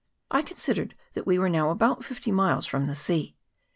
I considered that we were now about fifty miles from the sea.